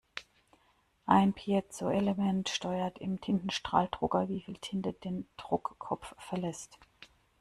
Ein Piezoelement steuert im Tintenstrahldrucker, wie viel Tinte den Druckkopf verlässt.